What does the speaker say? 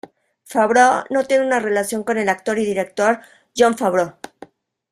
Favreau no tiene relación con el actor y director Jon Favreau.